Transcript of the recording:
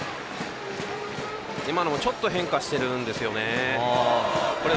今のもちょっと変化してるんですよね。